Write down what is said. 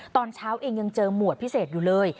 ตอนเช้าเองยังเจอหมวดพิเศษอยู่เลย